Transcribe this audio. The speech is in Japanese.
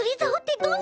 どんな？